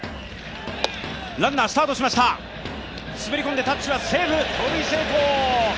滑り込んでタッチはセーフ盗塁成功。